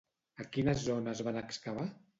A quines zones van excavar?